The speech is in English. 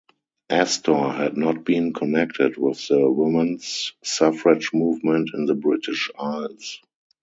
Astor had not been connected with the women's suffrage movement in the British Isles.